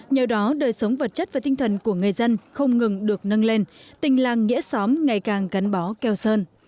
nhờ đó đời sống vật chất và tinh thần của người dân không ngừng được nâng lên tình làng nghĩa xóm ngày càng gắn bó keo sơn